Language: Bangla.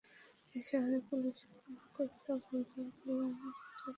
এই শহরে পুলিশের কোনো কুত্তা ঘুরঘুর করলে, আমি সেটা জেনে যাই।